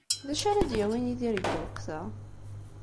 D acu ara d-yawin Yidir deg lweqt-a?